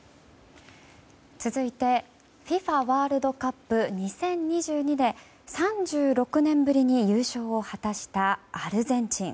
続いて、ＦＩＦＡワールドカップ２０２２で３６年ぶりに優勝を果たしたアルゼンチン。